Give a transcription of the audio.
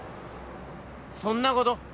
そんなこと？